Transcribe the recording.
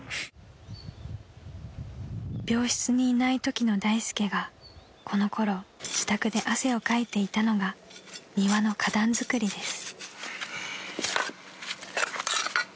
［病室にいないときの大助がこのころ自宅で汗をかいていたのが庭の花壇造りです］